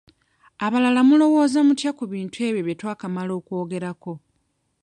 Abalala mulowooza mutya ku bintu ebyo bye twakamala okwogerako?